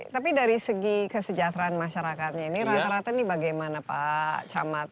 tapi dari segi kesejahteraan masyarakatnya ini rata rata ini bagaimana pak camat